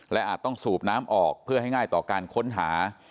และอาจต้องสูบน้ำออกเพื่อให้ง่ายต่อการค้นหา